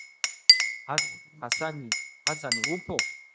Hasani upo